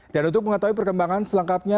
dan untuk mengetahui perkembangan selengkapnya